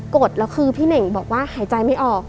กดแล้วคือพี่เน่งบอกว่าหายใจไม่ออก